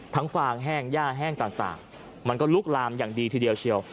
ฟางแห้งย่าแห้งต่างมันก็ลุกลามอย่างดีทีเดียวเชียว